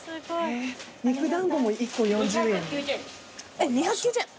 えっ２９０円。